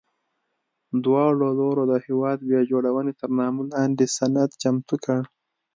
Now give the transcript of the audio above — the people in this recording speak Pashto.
دواړو لورو د هېواد بیا جوړونې تر نامه لاندې سند چمتو کړ.